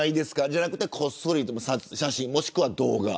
じゃなくてこっそり写真または動画。